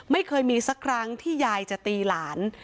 ไม่เคยมีสักครั้งที่ยายจะตีหลาน